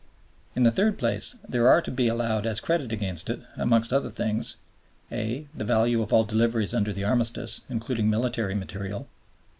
In the third place, there are to be allowed as credit against it (amongst other things): (a) the value of all deliveries under the Armistice, including military material (_e.